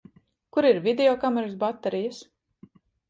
Kur ir videokameras baterijas?